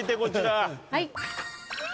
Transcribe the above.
はい。